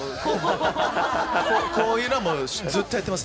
こういうのはずっとやってます。